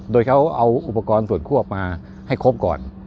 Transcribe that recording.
โดยเขาเอาอุปกรณ์ส่วนควบมาให้ครบก่อน